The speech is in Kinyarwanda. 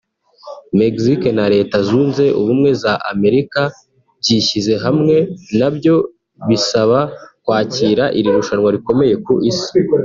Mexique na Leta Zunze Ubumwe za Amerika byishyize hamwe nabyo bisaba kwakira iri rushanwa rikomeye ku Isi